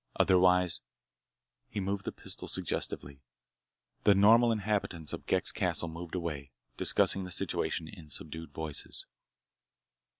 Otherwise—" He moved the pistol suggestively. The normal inhabitants of Ghek's castle moved away, discussing the situation in subdued voices.